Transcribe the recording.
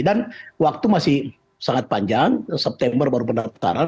dan waktu masih sangat panjang september baru ber